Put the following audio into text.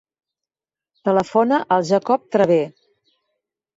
Telefona al Jacob Traver.